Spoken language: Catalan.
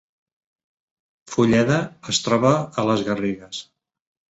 Fulleda es troba a les Garrigues